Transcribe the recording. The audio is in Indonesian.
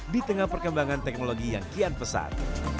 di tengah perkembangan teknologi yang kian pesat